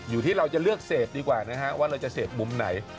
อยู่ที่เราจะเลือกเสพดีกว่านะฮะว่าเราจะเสพมุมไหน